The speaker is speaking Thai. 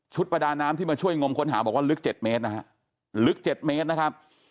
ประดาน้ำที่มาช่วยงมค้นหาบอกว่าลึก๗เมตรนะฮะลึก๗เมตรนะครับ